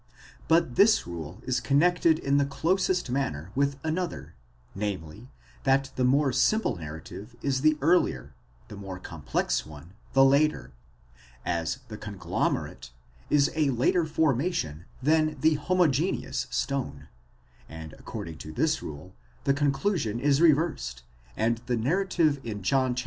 But this rule is connected in the closest manner with another; namely, that the more simple narrative is the earlier, the more complex one the later, as the conglomerate is a later formation than the homogeneous stone; and according to this rule, the conclusion is reversed, and the narrative in John xxi.